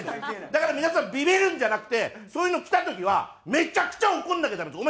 だから皆さんビビるんじゃなくてそういうの来た時はめちゃくちゃ怒んなきゃダメです。